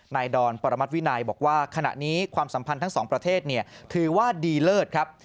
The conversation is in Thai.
ดอนปรมัติวินัยบอกว่าขณะนี้ความสัมพันธ์ทั้งสองประเทศถือว่าดีเลิศครับ